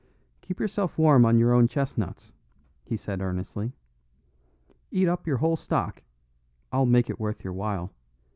"Keep yourself warm on your own chestnuts," he said earnestly. "Eat up your whole stock; I'll make it worth your while.